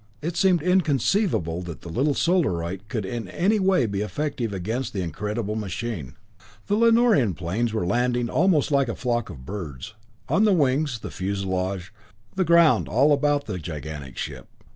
It seemed inconceivable that the little Solarite could in any way be effective against the incredible machine. The Lanorian planes were landing almost like a flock of birds, on the wings, the fuselage, the ground all about the gigantic ship.